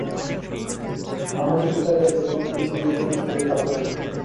আহলি কিতাবদের এ বর্ণনার কোন কোন দিক আপত্তিকর।